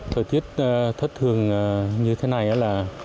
thời tiết thất thường như thế này là